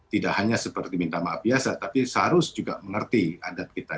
tidak hanya seperti minta maaf biasa tapi seharusnya juga mengerti adat kita